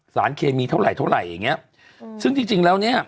สารเคมีเท่าไหรเท่าไหร่อย่างเงี้ยอืมซึ่งจริงจริงแล้วเนี้ย